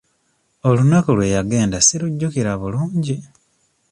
Olunaku lwe yagenda ssirujjukira bulungi.